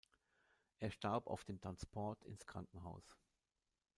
Er starb auf dem Transport ins Krankenhaus.